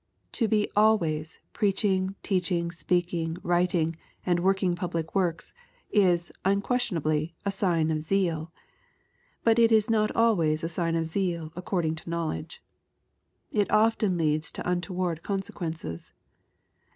To be alioays preaching, teaching, speaking, writing, and working public works, is, unquestionably, a sign of zeal. But it is not always a sign of zeal according to knowledge. It often leads to untoward consequences.